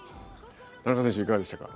田中選手いかがでしたか？